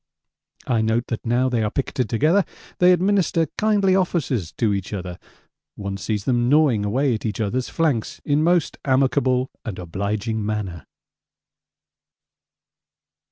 I note that now they are picketed together they administer kindly offices to each other; one sees them gnawing away at each other's flanks in most amicable and obliging manner.